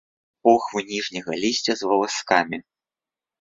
Похвы ніжняга лісця з валаскамі.